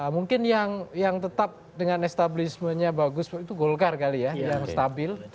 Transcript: mungkin yang tetap dengan establismenya bagus itu golkar kali ya yang stabil